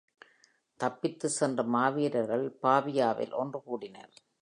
தப்பித்து சென்ற மாவீரர்கள் பாவியாவில் ஒன்று கூடினர்.